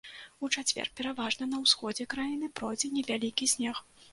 У чацвер пераважна на ўсходзе краіны пройдзе невялікі снег.